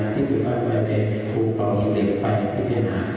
พิธิภัณฑ์ไว้ได้ทุกของมีเด็กไฟที่เป็นหา